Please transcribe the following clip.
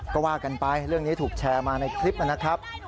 ก็ว่ากันไปเรื่องนี้ถูกแชร์มาในคลิปนะครับ